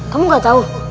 kamu enggak tau